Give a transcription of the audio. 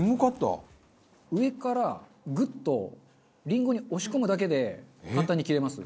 上からグッとりんごに押し込むだけで簡単に切れます。